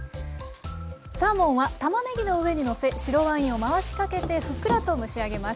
サーモンはたまねぎの上にのせ白ワインを回しかけてふっくらと蒸しあげます。